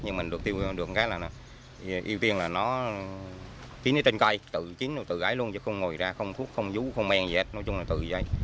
nhưng mình được tiêu được cái là ưu tiên là nó tính trên cây tự chín tự gái luôn chứ không ngồi ra không thuốc không dú không men gì hết nói chung là từ đây